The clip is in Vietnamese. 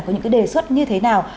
có những đề xuất như thế nào